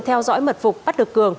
theo dõi mật phục bắt được cường